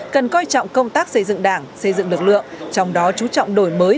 cần coi trọng công tác xây dựng đảng xây dựng lực lượng trong đó chú trọng đổi mới